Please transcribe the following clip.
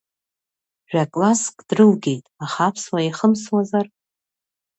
Жәа-класск дрылгеит, аха аԥсуа иахымсуазар?